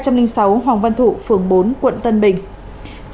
hai trăm linh sáu hoàng văn thụ phường bốn quận tân bình